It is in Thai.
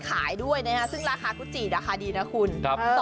ขายตัวละบาท